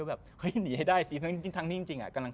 แต่ว่าราชีพงั้นเองว่ารู้ชัวร์แรง